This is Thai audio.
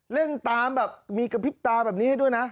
เล่นตามแบบมีกระพริบตาแบบนี้ให้ด้วยนะ